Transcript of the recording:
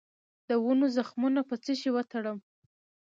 د ونو زخمونه په څه شي وتړم؟